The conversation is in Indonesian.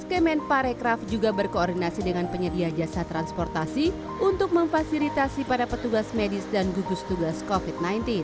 kemen parekraf juga berkoordinasi dengan penyedia jasa transportasi untuk memfasilitasi pada petugas medis dan gugus tugas covid sembilan belas